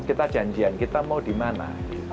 kita janjian kita mau dimana